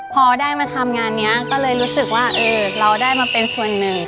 พอได้มาทำงานนี้ก็เลยรู้สึกว่าเราได้มาเป็นส่วนหนึ่ง